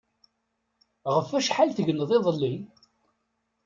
Ɣef acḥal tegneḍ iḍelli?